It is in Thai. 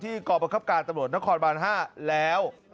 กรประคับการตำรวจนครบาน๕แล้ว